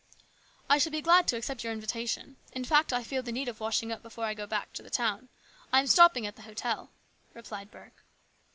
" I shall be glad to accept your invitation. In fact I feel the need of washing up before I go back to the town. I am stopping at the hotel," replied Burke.